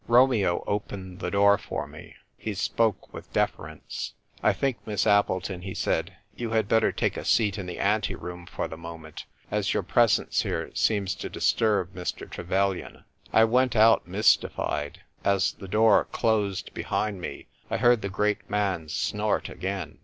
Romeo opened the door for me. He spoke with deference. " I think, Miss Appleton," he said, " you had better take a seat in the ante room for the moment, as your presence here seems to disturb Mr. Trevelyan." I went out, mystified. As the door closed behind me, I heard the great man snort again.